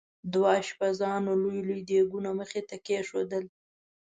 دوه اشپزانو لوی لوی دیګونه مخې ته کېښودل.